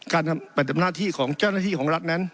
ปฏิบัติหน้าที่ของเจ้าหน้าที่ของรัฐนั้น